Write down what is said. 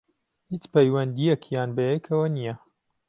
هیچ پەیوەندییەکیان بەیەکەوە نییە